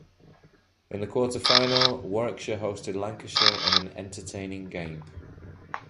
In the quarter-final, Warwickshire hosted Lancashire in an entertaining game.